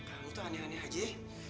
ih kamu tuh aneh aneh aja ya